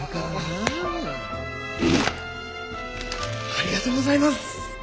ありがとうございます！